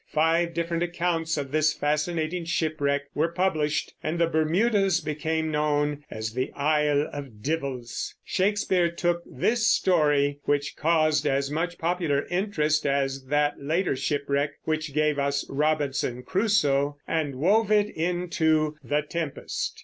Five different accounts of this fascinating shipwreck were published, and the Bermudas became known as the "Ile of Divels." Shakespeare took this story which caused as much popular interest as that later shipwreck which gave us Robinson Crusoe and wove it into The Tempest.